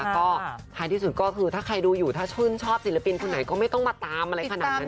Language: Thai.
ก็ท้ายที่สุดก็คือถ้าใครดูอยู่ถ้าชื่นชอบศิลปินคนไหนก็ไม่ต้องมาตามอะไรขนาดนั้น